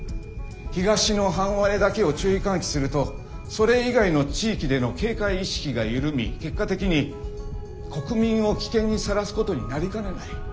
東の半割れだけを注意喚起するとそれ以外の地域での警戒意識が緩み結果的に国民を危険にさらすことになりかねない。